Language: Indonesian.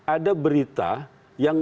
ada berita yang